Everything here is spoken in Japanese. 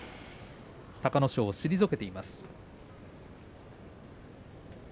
隆の勝を退けています。